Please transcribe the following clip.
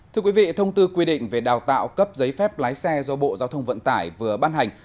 thưa quý vị thông tư quy định về đào tạo cấp giấy phép lái xe do bộ giao thông vận tải vừa ban hành